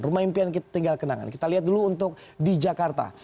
rumah impian kita tinggal kenangan kita lihat dulu untuk di jakarta